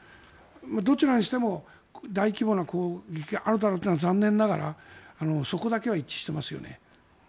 どちらにしても大規模な攻撃があるだろうというのは残念ながらそこだけは一致していますよね。